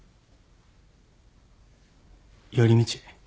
寄り道。